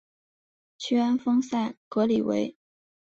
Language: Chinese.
屈安丰塞格里韦。